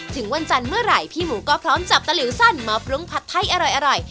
ถึงวันจันทร์เมื่อไหร่พี่หมูก็พร้อมจับตะหลิวสั้นมาปรุงผัดไทยอร่อย